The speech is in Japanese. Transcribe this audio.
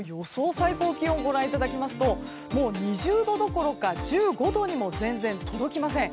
最高気温をご覧いただきますともう、２０度どころか１５度にも全然届きません。